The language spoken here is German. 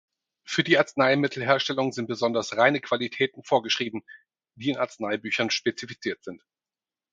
Für die Arzneimittelherstellung sind besonders reine Qualitäten vorgeschrieben, die in Arzneibüchern spezifiziert sind.